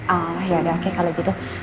ah ya udah oke kalau gitu